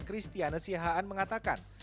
christiane sihaan mengatakan